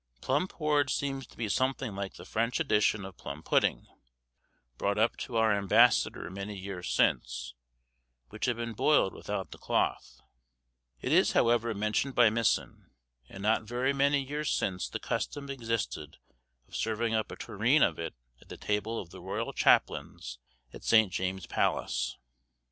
Plum porridge seems to be something like the French edition of plum pudding brought up to our ambassador many years since, which had been boiled without the cloth; it is, however, mentioned by Misson, and not very many years since the custom existed of serving up a tureen of it at the table of the royal chaplains at St. James's Palace.